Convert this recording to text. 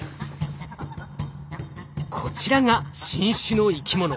こちらが新種の生き物。